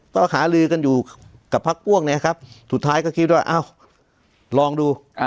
ก็หาลือกันอยู่กับพักพวกเนี่ยครับสุดท้ายก็คิดว่าอ้าวลองดู